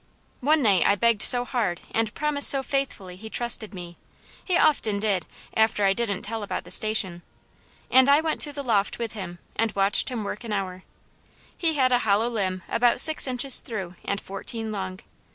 One night I begged so hard and promised so faithfully he trusted me; he did often, after I didn't tell about the Station; and I went to the loft with him, and watched him work an hour. He had a hollow limb about six inches through and fourteen long.